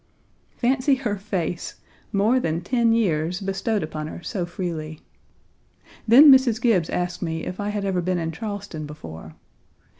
Fancy her face, more than ten years bestowed upon her so freely. Then Mrs. Gibbes asked me if I had ever been in Charleston before.